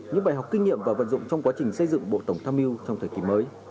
những bài học kinh nghiệm và vận dụng trong quá trình xây dựng bộ tổng tham mưu trong thời kỳ mới